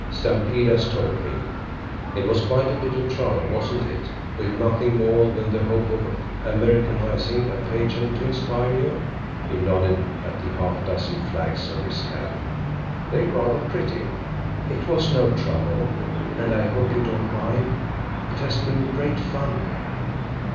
"Stampede has told me. It was quite a bit of trouble, wasn't it, with nothing more than the hope of Americanizing a pagan to inspire you?" He nodded at the half dozen flags over his cabin. "They're rather pretty." "It was no trouble. And I hope you don't mind. It has been great fun."